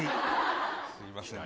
すみません。